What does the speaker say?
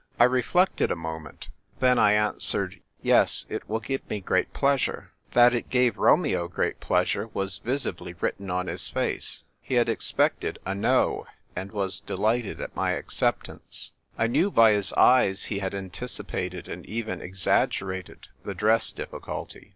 I reflected a moment ; then I answered, "Yes ; it will give me great plea sure." A DRAWN BATTLE. 179 That it gave Romeo great pleasure was visibly written on iiis face. He liad expected a no, and was delighted at my acceptance. I knew by his eyes he had anticipated and even exaggerated the dress difficulty.